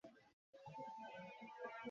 না, আমার মনে হয় এদিকে।